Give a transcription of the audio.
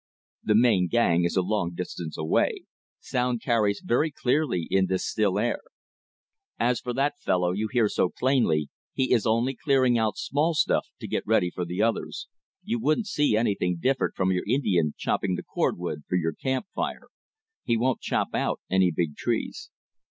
"The main gang is a long distance away; sound carries very clearly in this still air. As for that fellow you hear so plainly, he is only clearing out small stuff to get ready for the others. You wouldn't see anything different from your Indian chopping the cordwood for your camp fire. He won't chop out any big trees."